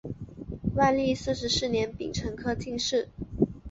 万历四十四年丙辰科进士。